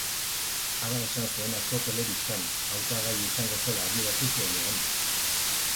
Hala esan zuen atzo telebistan, hautagai izango zela adierazi zuenean.